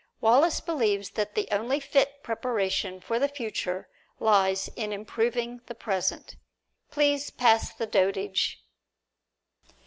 Wallace believes that the only fit preparation for the future lies in improving the present. Please pass the dotage!